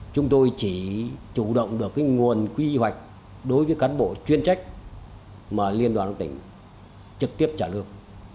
chúng tôi chỉ chủ động được nguồn quy hoạch đối với cán bộ chuyên trách mà liên đoàn tỉnh trực tiếp trả lương